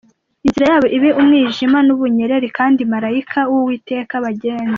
Inzira yabo ibe umwijima n’ubunyereri, Kandi marayika w’Uwiteka abagenze.